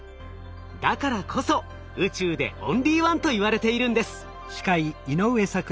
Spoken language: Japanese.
だからこそ宇宙でオンリーワンといわれているんです。